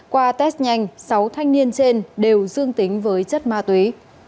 qua test nhanh sáu thanh niên trên đều dương tính với chất ma túy